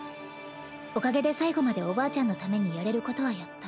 おかげで最期までおばあちゃんのためにやれることはやった。